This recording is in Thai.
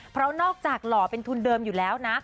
เพราะนอกจากหล่อเป็นทุนเดิมอยู่แล้วนะ